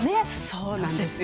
そうなんですよ。